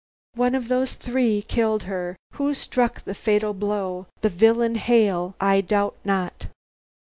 "One of those three killed her. Who struck the fatal blow? the villain Hale I doubt not."